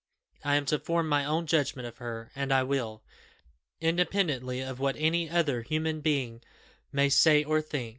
I am to form my own judgment of her, and I will, independently of what any other human being may say or think.